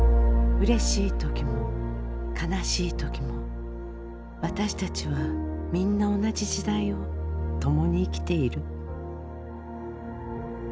うれしい時も悲しい時も私たちはみんな同じ時代を共に生きている。